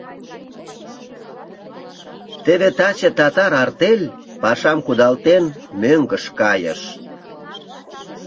Теве таче татар артель, пашам кудалтен, мӧҥгыш кайыш.